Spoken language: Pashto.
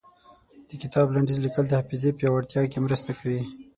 د کتاب لنډيز ليکل د حافظې پياوړتيا کې مرسته کوي.